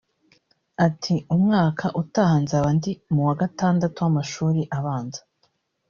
Ati “Umwaka utaha nzaba ndi mu wa gatandatu w’amashuri abanza